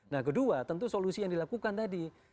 nah kedua tentu solusi yang dilakukan tadi